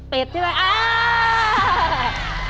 เป็ดที่ไรอ้าว